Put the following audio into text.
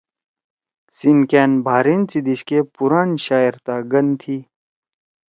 سیِنکیأن/بحرین سی دیِشکے پُوران شاعر تا گن تھی۔